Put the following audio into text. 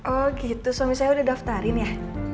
oh gitu suami saya udah daftarin ya